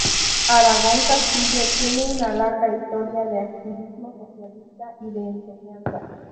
Aragón Castillo tiene una larga historia de activismo socialista y de enseñanza.